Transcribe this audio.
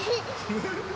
フフフフ。